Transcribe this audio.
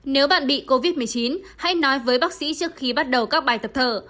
nếu bạn bị covid một mươi chín hãy nói với bác sĩ trước khi bắt đầu các bài tập thở